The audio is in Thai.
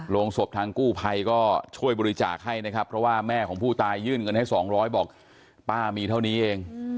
โรงศพทางกู้ภัยก็ช่วยบริจาคให้นะครับเพราะว่าแม่ของผู้ตายยื่นเงินให้๒๐๐บอกป้ามีเท่านี้เอง